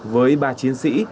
với ba chiến sĩ